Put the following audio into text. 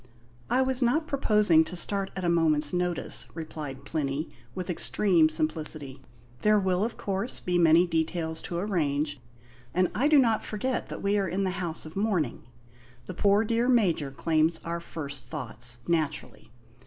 "I was not proposing to start at a moment's notice," replied Plinny, with extreme simplicity. "There will, of course, be many details to arrange; and I do not forget that we are in the house of mourning. The poor dear Major claims our first thoughts, naturally.